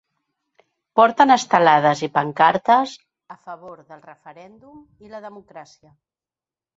Porten estelades i pancartes a favor del referèndum i la democràcia.